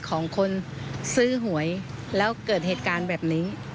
ของคนซื้อหวยแล้วเกิดเหตุการณ์แบบนี้